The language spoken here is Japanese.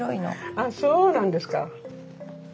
あそうなんですか。